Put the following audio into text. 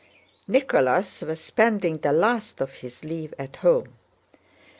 Nicholas was spending the last of his leave at home.